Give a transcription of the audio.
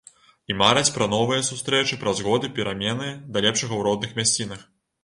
І мараць пра новыя сустрэчы праз год і перамены да лепшага ў родных мясцінах.